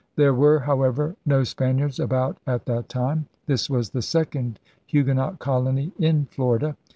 There were, however, no Spaniards about at that time. This was the second Huguenot colony in Florida.